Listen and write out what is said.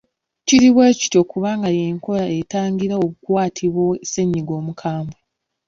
Kiri bwe kityo kubanga y’enkola etangira okukwatibwa ssennyiga omukambwe.